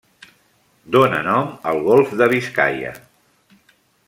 Dóna nom al golf de Biscaia.